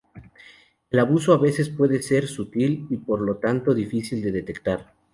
El abuso a veces puede ser sutil y, por lo tanto, difícil de detectar.